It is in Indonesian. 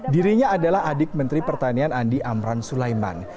dirinya adalah adik menteri pertanian andi amran sulaiman